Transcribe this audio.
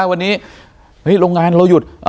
วันนี้โรงงานเราหยุด